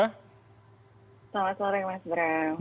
selamat sore mas bram